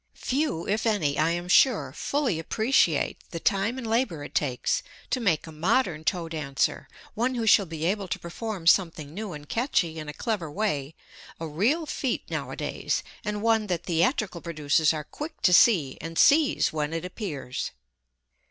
Few if any, I am sure, fully appreciate the time and labor it takes to make a modern toe dancer, one who shall be able to perform something new and catchy in a clever way, a real feat nowadays, and one that theatrical producers are quick to see and seize when it appears.